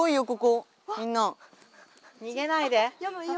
にげないで！